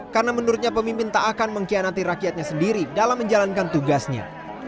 karena menurutnya pemimpin tak akan mengkianati rakyatnya sendiri dalam menjalankan tugasnya